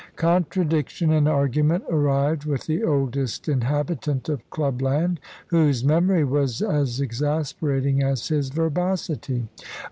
Contradiction and argument arrived with the oldest inhabitant of Clubland, whose memory was as exasperating as his verbosity.